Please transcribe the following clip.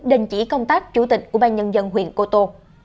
đình chỉ công tác chủ tịch ủy ban nhân dân huyện cô tô